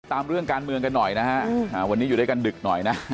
เรื่องการเมืองกันหน่อยนะฮะวันนี้อยู่ด้วยกันดึกหน่อยนะ